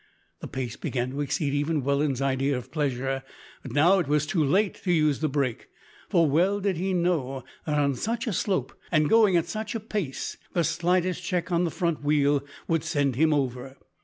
The pace began to exceed even Welland's idea of pleasure, but now it was too late to use the brake, for well did he know that on such a slope and going at such a pace the slightest check on the front wheel would send him over.